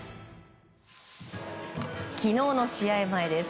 昨日の試合前です。